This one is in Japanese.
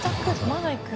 まだいく。